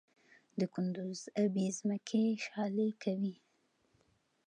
د کندز ابي ځمکې شالې کوي؟